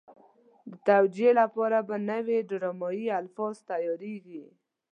د توجیه لپاره به نوي ډرامایي الفاظ تیارېږي.